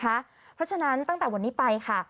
เพราะฉะนั้นตั้งแต่วันนี้ไปค่ะ